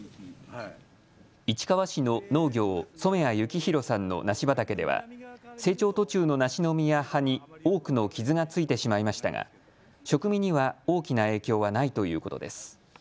市川市の農業、染谷幸弘さんの梨畑では成長途中の梨の実や葉に多くの傷がついてしまいましたが食味には大きな影響はないということです。